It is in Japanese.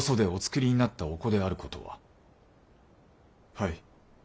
はい。